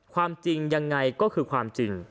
ความจริงยังไงก็คือความจริง